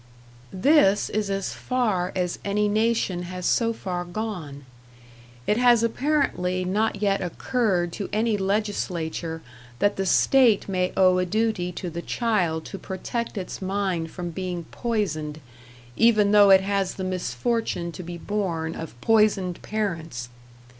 This is as far as any nation has so far gone; it has apparently not yet occurred to any legislature that the State may owe a duty to the child to protect its mind from being poisoned, even though it has the misfortune to be born of poisoned parents.